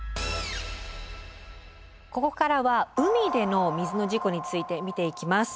ここからは海での水の事故について見ていきます。